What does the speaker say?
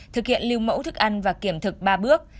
thực hiện lưu mẫu thức ăn và kiểm thực ba bước